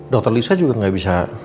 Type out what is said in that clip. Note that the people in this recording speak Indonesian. dokter lisa juga nggak bisa